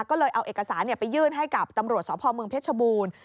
ก็เลยเอาเอกสารไปยื่นให้กับตำรวจสพเมืองเพชรบูรณ์